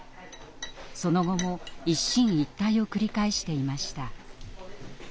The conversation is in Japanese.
その後も一進一退を繰り返していました。